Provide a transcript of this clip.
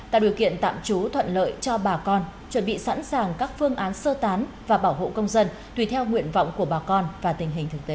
tạo điều kiện tạm trú thuận lợi cho bà con chuẩn bị sẵn sàng các phương án sơ tán và bảo hộ công dân tùy theo nguyện vọng của bà con và tình hình thực tế